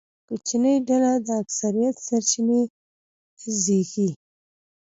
کوچنۍ ډله د اکثریت سرچینې زبېښي.